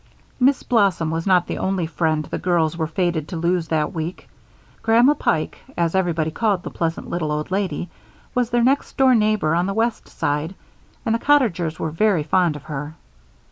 Miss Blossom was not the only friend the girls were fated to lose that week. Grandma Pike, as everybody called the pleasant little old lady, was their next door neighbor on the west side, and the cottagers were very fond of her.